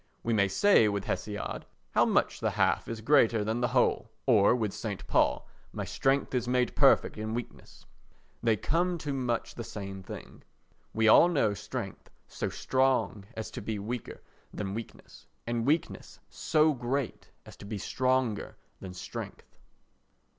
We may say with Hesiod "How much the half is greater than the whole!" or with S. Paul "My strength is made perfect in weakness"; they come to much the same thing. We all know strength so strong as to be weaker than weakness and weakness so great as to be stronger than strength.